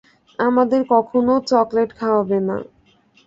আমাদের কখনও চকলেট খাওয়াবে না।